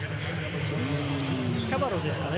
キャバロですかね